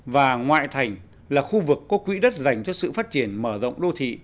và ngoại thành là khu vực có quỹ đất dành cho sự phát triển mở rộng đô thị